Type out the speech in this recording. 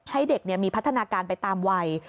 ให้เด็กมีพัฒนาการไปตามวัย